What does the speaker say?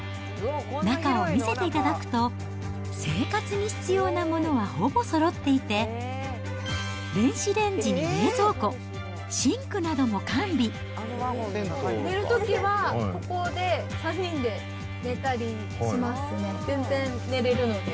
中を見せていただくと、生活に必要なものはほぼそろっていて、電子レンジに冷蔵庫、寝るときは、ここで３人で寝たりしますね。